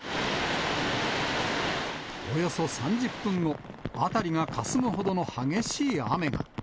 およそ３０分後、辺りがかすむほどの激しい雨が。